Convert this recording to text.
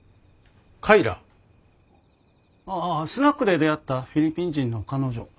スナックで出会ったフィリピン人の彼女。